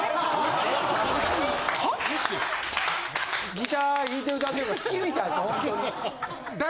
・ギター弾いてるだけ好きみたいです